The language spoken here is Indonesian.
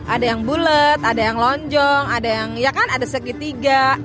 ada yang bulet ada yang lonjong ada yang ya kan ada segitiga